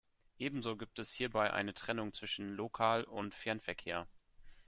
Ebenso gibt es hierbei eine Trennung zwischen Lokal- und Fernverkehr.